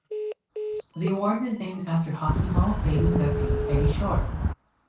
The award is named after Hockey Hall of Fame inductee Eddie Shore.